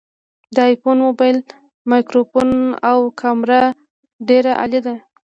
د آیفون مبایل مایکروفون او کامره ډیره عالي ده